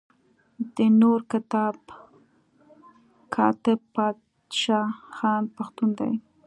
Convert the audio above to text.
د نور کتاب کاتب بادشاه خان پښتون دی.